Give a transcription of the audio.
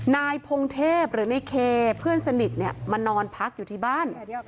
นายพงเทพหรือในเคเพื่อนสนิทมานอนพักอยู่ที่บ้าน